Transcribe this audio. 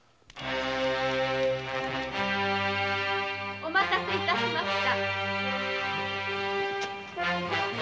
・お待たせ致しました。